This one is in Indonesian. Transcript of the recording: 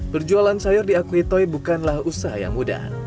berjualan sayur diakui toy bukanlah usaha yang mudah